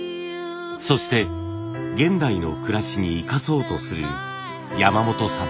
そして現代の暮らしに生かそうとする山本さん。